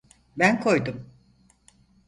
Ben koydum.